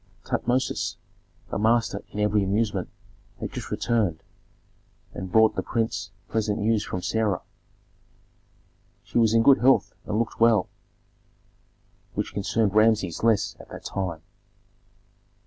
Tutmosis, a master in every amusement, had just returned, and brought the prince pleasant news from Sarah. She was in good health and looked well, which concerned Rameses less at that time.